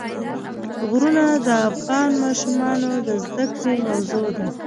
غرونه د افغان ماشومانو د زده کړې موضوع ده.